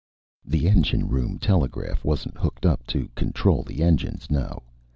The engine room telegraph wasn't hooked up to control the engines, no.